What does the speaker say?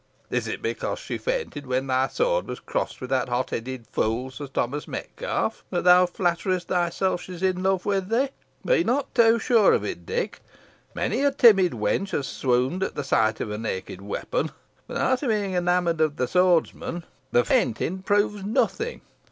Is it because she fainted when thy sword was crossed with that hot headed fool, Sir Thomas Metcalfe, that thou flatterest thyself she is in love with thee? Be not too sure of it, Dick. Many a timid wench has swooned at the sight of a naked weapon, without being enamoured of the swordsman. The fainting proves nothing.